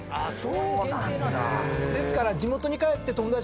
そうなんだ！ですから。